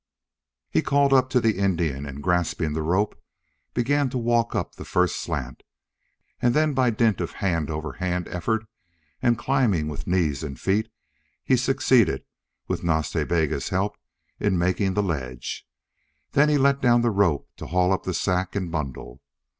He called up to the Indian and, grasping the rope, began to walk up the first slant, and then by dint of hand over hand effort and climbing with knees and feet he succeeded, with Nas Ta Bega's help, in making the ledge. Then he let down the rope to haul up the sack and bundle.